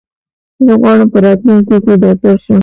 زه غواړم په راتلونکي کې ډاکټر شم.